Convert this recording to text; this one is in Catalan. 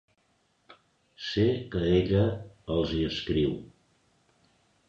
Sé que ella els hi escriu.